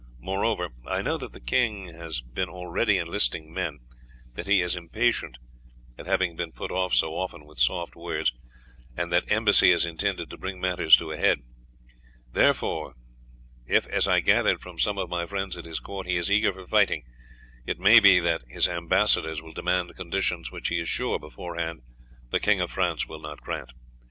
Moreover, I know that the king has been already enlisting men, that he is impatient at having been put off so often with soft words, and that embassy is intended to bring matters to a head; therefore if, as I gathered from some of my friends at his court, he is eager for fighting, it may be that his ambassadors will demand conditions which he is sure beforehand the King of France will not grant.